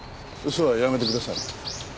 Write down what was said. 嘘はやめてください。